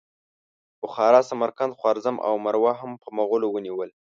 بخارا، سمرقند، خوارزم او مرو هم مغولو ونیول.